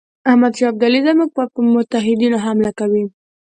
احمدشاه ابدالي زموږ پر متحدینو حمله کوي.